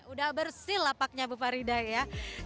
udah bersih lapaknya bu farida ya